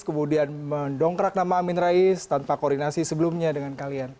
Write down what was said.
kemudian mendongkrak nama amin rais tanpa koordinasi sebelumnya dengan kalian